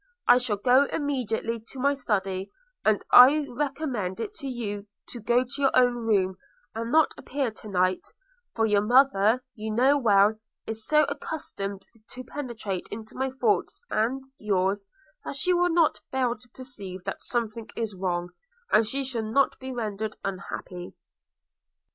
I shall go immediately to my study; and I recommend it to you to go to your own room, and not appear to night; for your mother, you know well, is so accustomed to penetrate into my thoughts and, yours, that she will not fail to perceive that something is wrong – and she shall not be rendered unhappy.'